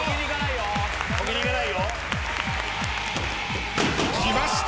置きにいかないよ。きました！